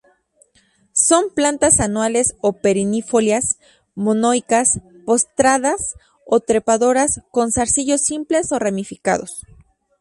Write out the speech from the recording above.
Son plantas anuales o perennifolias, monoicas, postradas o trepadoras, con zarcillos simples o ramificados.